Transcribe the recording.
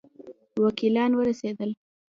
وکیلان ورسېدل.